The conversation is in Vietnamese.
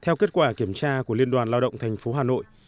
theo kết quả kiểm tra của liên đoàn lao động thành phố hà nội